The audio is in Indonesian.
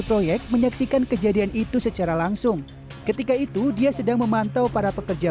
proyek menyaksikan kejadian itu secara langsung ketika itu dia sedang memantau para pekerja